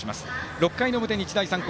６回の表、日大三高。